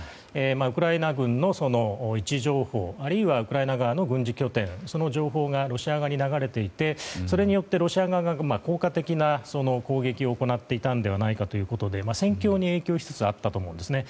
ウクライナ軍の位置情報あるいは、ウクライナ側の軍事拠点、その情報がロシア側に流れていてそれによってロシア側が効果的な攻撃を行っていたのではないかということで戦況に影響しつつあったと思うんですね。